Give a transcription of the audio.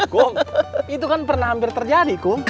kum itu kan pernah hampir terjadi kum